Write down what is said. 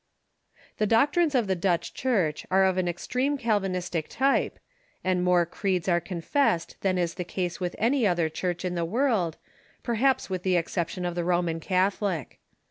The doctrines of the Dutch Church are of an extreme Cal vinistic type, and more creeds are confessed than is the case with any other Church in the world, perhaps with Theology .. the exception of the Roman Catholic.